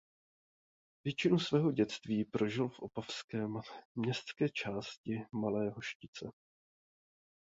Většinu svého dětství prožil v opavské městské části Malé Hoštice.